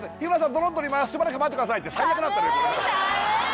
ドローン撮りますしばらく待ってくださいって最悪だったのよ寒いよ